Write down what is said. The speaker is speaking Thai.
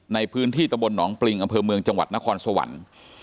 ในพื้นที่ตะบลหนองปริงอำเภอเมืองจังหวัดนครสวรรค์